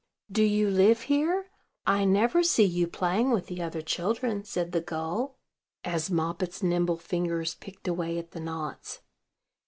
"Do you live here? I never see you playing with the other children," said the gull, as Moppet's nimble fingers picked away at the knots.